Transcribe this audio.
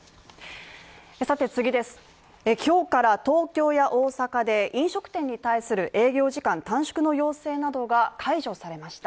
今日から東京や大阪で飲食店に対する営業時間短縮の要請などが解除されました。